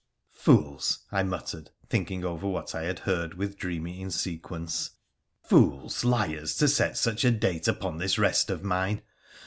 ' Fools !' I muttered, thinking over what I had heard with dreamy insequence —' fools, liars, to set such a date upon this rest of mine